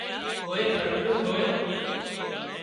ڪوئي پرٻلُون هوئي